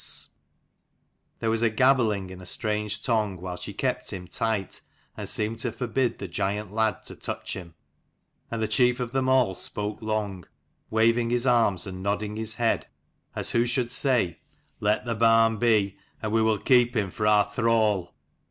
Then there was gabbling in a strange tongue while she kept him tight and seemed to forbid the giant lad to touch him : and the chief of them all spoke long, waving his arms and nodding his head, as who should say " Let the barn be, and we will keep him for our thrall."